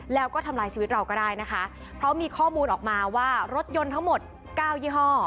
แล้วก็ทำลายชีวิตเราก็ได้นะคะเพราะมีข้อมูลออกมาว่ารถยนต์ทั้งหมดเก้ายี่ห้อ